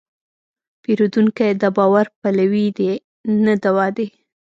پیرودونکی د باور پلوي دی، نه د وعدې.